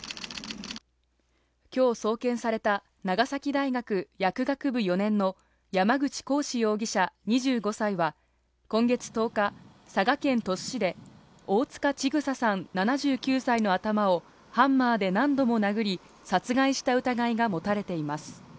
今日送検された長崎大学薬学部４年の山口鴻志容疑者、２５歳は今月１０日、佐賀県鳥栖市で大塚千種さん７９歳の頭をハンマーで何度も殴り、殺害した疑いが持たれています。